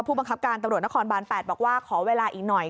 บังคับการตำรวจนครบาน๘บอกว่าขอเวลาอีกหน่อย